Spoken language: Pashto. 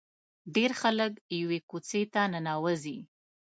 ډېر خلک یوې کوڅې ته ننوځي.